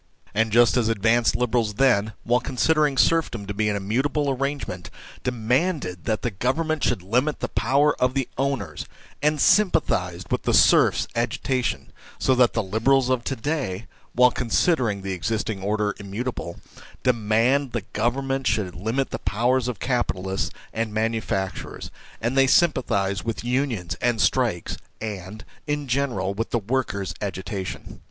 And just as advanced Liberals then, while considering serfdom to be an immutable arrange ment, demanded that the Government should limit the power of the owners, and sympathised with the serfs' agitation, so the Liberals of to day, while considering the existing order im mutable, demand that Government should limit the powers of capitalists and manufacturers, and they sympathise with unions, and strikes, and, in general, with the workers' agitation.